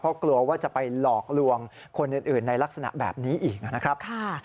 เพราะกลัวว่าจะไปหลอกลวงคนอื่นในลักษณะแบบนี้อีกนะครับ